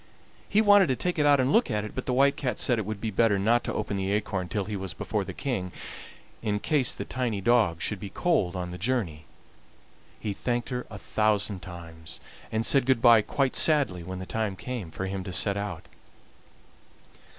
He wanted to take it out and look at it, but the White Cat said it would be better not to open the acorn till he was before the King, in case the tiny dog should be cold on the journey. He thanked her a thousand times, and said good by quite sadly when the time came for him to set out.